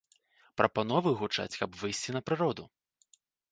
Прапановы гучаць, каб выйсці на прыроду.